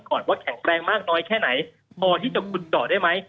ว่าแข็งแรงมากน้อยแค่ไหนพอที่จะขุดเจาะได้ไหม